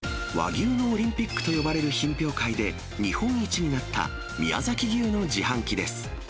和牛のオリンピックと呼ばれる品評会で日本一になった宮崎牛の自販機です。